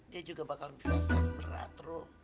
dia juga bakal bisa stres berat ruh